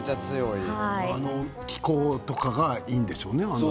あの気候とかがいいんでしょうね